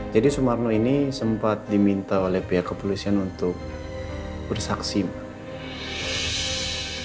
jadi sumarno ini sempat diminta oleh pihak kepolisian untuk bersaksi ma